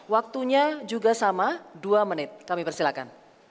waktunya juga sama dua menit kami persilakan